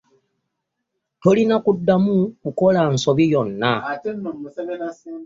Tolina kudamu kukola nsobi yonna.